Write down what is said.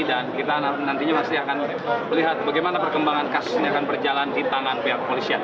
dan kita nantinya pasti akan melihat bagaimana perkembangan kasus ini akan berjalan di tangan pihak kepolisian